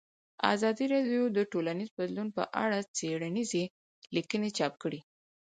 ازادي راډیو د ټولنیز بدلون په اړه څېړنیزې لیکنې چاپ کړي.